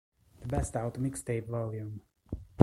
The Best Out Mixtape Vol.